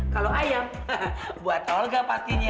kalau ayam buat rolga pastinya